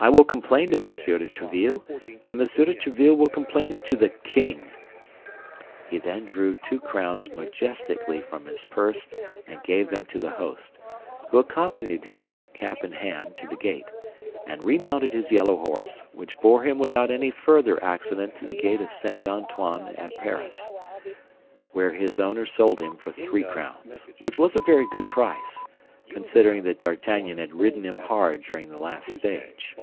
"I will complain to Monsieur de Tréville, and Monsieur de Tréville will complain to the king." He then drew two crowns majestically from his purse and gave them to the host, who accompanied him, cap in hand, to the gate, and remounted his yellow horse, which bore him without any further accident to the gate of St. Antoine at Paris, where his owner sold him for three crowns, which was a very good price, considering that D'Artagnan had ridden him hard during the last stage.